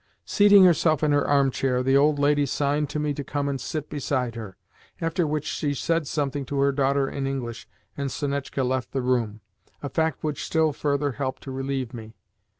Seating herself in her arm chair, the old lady signed to me to come and sit beside her; after which she said something to her daughter in English, and Sonetchka left the room a fact which still further helped to relieve me.